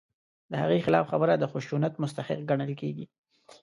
د هغې خلاف خبره د خشونت مستحق ګڼل کېږي.